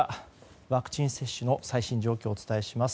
ワクチン接種の最新状況をお伝えします。